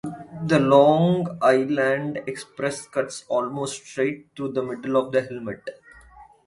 The Long Island Expressway cuts almost straight through the middle of the hamlet.